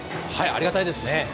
ありがたいですね。